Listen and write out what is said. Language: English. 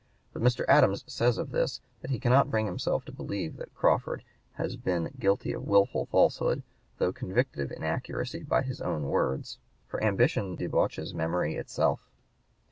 But Mr. Adams says of this that he cannot bring himself to believe that Crawford has been guilty of wilful falsehood, though convicted of inaccuracy by his own words; for "ambition debauches memory itself."